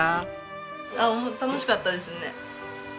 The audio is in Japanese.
楽しかったですね。